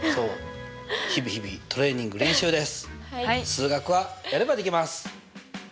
数学はやればできます！